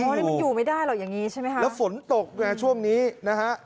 อันนี้มันอยู่ไม่ได้หรอกอย่างงี้ใช่ไหมคะแล้วฝนตกไงช่วงนี้นะฮะ